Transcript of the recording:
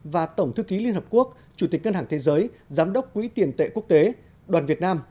và tổng thư ký liên hợp quốc chủ tịch ngân hàng thế giới giám đốc quỹ tiền tệ quốc tế đoàn việt nam